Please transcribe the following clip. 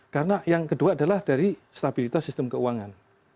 karena yang kedua adalah dari stabilitas sistem keuangan